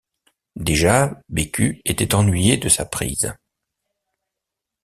Déjà, Bécu était ennuyé de sa prise.